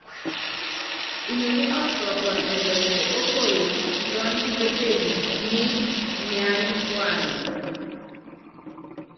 Inoní ɔsɔɔpɔn ɛmbɛsɛ o kuoyosi kiɔ́n kipeetenyé niít niálɛ́kualɛ.